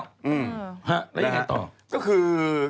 แล้วยังไงต่อ